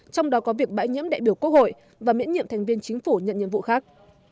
trong đó có việc bãi nhẫm đại biểu quốc hội và miễn nhiệm thành viên chính phủ nhận nhiệm vụ khác